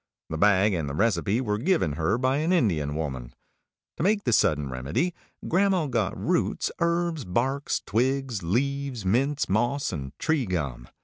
The bag and the recipe were given her by an Indian woman. To make the Sudden Remedy, grandma got roots, herbs, barks, twigs, leaves, mints, moss, and tree gum.